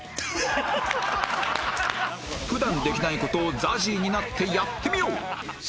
普段できない事を ＺＡＺＹ になってやってみよう